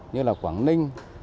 như quảng ninh